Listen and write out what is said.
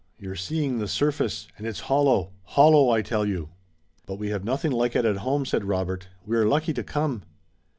"You're seeing the surface, and it's hollow, hollow! I tell you!" "But we have nothing like it at home," said Robert. "We're lucky to come."